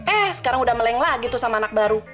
eh sekarang udah meleng lagi tuh sama anak baru